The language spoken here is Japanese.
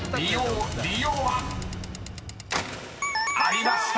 ［ありました！